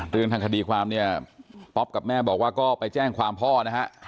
เรื่องทางคดีความเนี่ยป๊อปกับแม่บอกว่าก็ไปแจ้งความพ่อนะฮะ